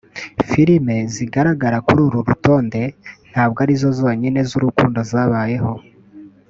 Filime zigaragara kuri uru rutonde ntabwo ari zo zonyine z’urukundo zabayeho